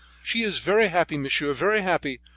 she is very happy, monsieur, very happy.